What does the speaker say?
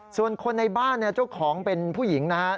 ส่วนคนในบ้านเจ้าของเป็นผู้หญิงนะฮะ